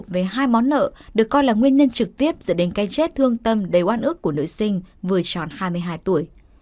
với hai món nợ được coi là nguyên nhân trực tiếp dẫn đến cái chết thương tâm đầy oan ức của nữ sinh vừa tròn hai mươi hai tuổi